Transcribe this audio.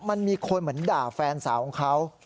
มันมีคนเหมือนด่าแฟนสาวของเขา